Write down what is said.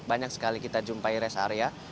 banyak sekali kita jumpai rest area